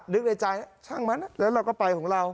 นึกในใจช่างมันแล้วเราก็ไปของเรา